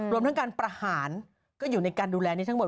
รวมทั้งการประหารก็อยู่ในการดูแลนี้ทั้งหมด